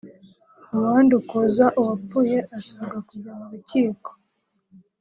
uwandukuza uwapfuye asabwa kujya mu rukiko